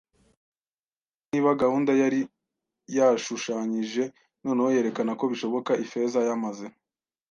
hasi. Niba gahunda yari yashushanyije noneho yerekana ko bishoboka, Ifeza, yamaze